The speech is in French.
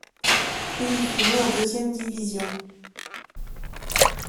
Il y finit en deuxième division.